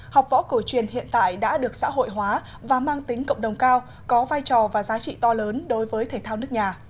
học võ cổ truyền hiện tại đã được xã hội hóa và mang tính cộng đồng cao có vai trò và giá trị to lớn đối với thể thao nước nhà